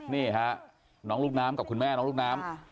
นี่ฮะน้องลูกน้ำกับคุณแม่น้องลูกน้ำ